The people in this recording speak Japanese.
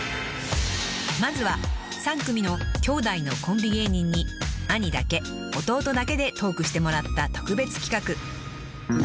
［まずは３組の兄弟のコンビ芸人に兄だけ弟だけでトークしてもらった特別企画］